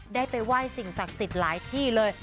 ได้ไปไหว้สิ่งศักดิ์สิทธิ์หลายที่เลย